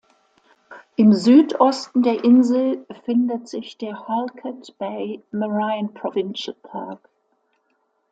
Im Südosten der Insel findet sich der Halkett Bay Marine Provincial Park.